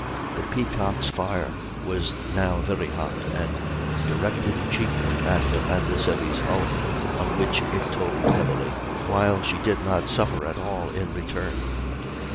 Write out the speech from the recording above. The Peacock's fire was now very hot, and directed chiefly at her adversary's hull, on which it told heavily, while she did not suffer at all in return.